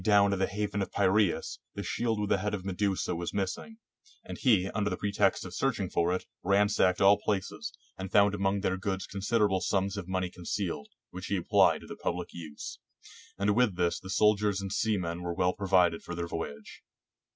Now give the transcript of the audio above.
113 GREECE haven of Piraeus, the shield with the head of Medusa was missing; and he, under the pretext of searching for it, ransacked all places, and found among their goods considerable sums of money concealed, which he ap plied to the pubHc use; and with this the soldiers and seamen were well provided for their voyage.